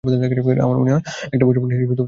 আমার মনে হয় একটা পোষাপ্রাণী তোমার জন্য বেশ ভালো হবে।